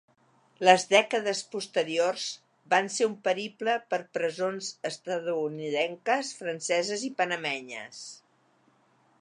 Les dècades posteriors van ser un periple per presons estatunidenques, franceses i panamenyes.